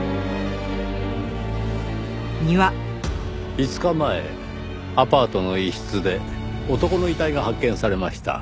５日前アパートの一室で男の遺体が発見されました。